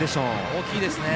大きいですね。